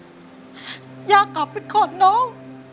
แล้วตอนนี้พี่พากลับไปในสามีออกจากโรงพยาบาลแล้วแล้วตอนนี้จะมาถ่ายรายการ